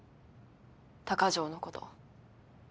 高城のこと。